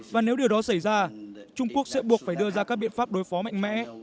và nếu điều đó xảy ra trung quốc sẽ buộc phải đưa ra các biện pháp đối phó mạnh mẽ